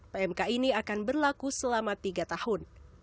pmk ini akan berlaku selama tiga tahun